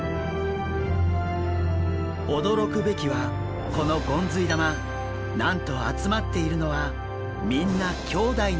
驚くべきはこのゴンズイ玉なんと集まっているのはみんな兄弟なんです。